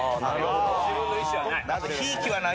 自分の意思はない。